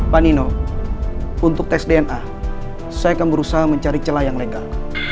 pak nino untuk tes dna saya akan berusaha mencari celah yang legal